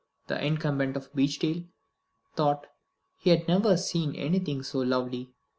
The incumbent of Beechdale thought he had never seen anything so lovely.